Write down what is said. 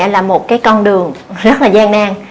là một cái con đường rất là gian nan